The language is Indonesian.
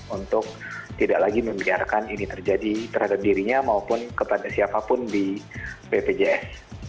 untuk tidak lagi membiarkan ini terjadi terhadap dirinya maupun kepada siapapun di bpjs